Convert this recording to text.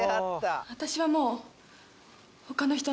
「私はもう他の人のもの」